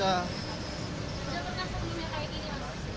ada pengasuh gini kayak gini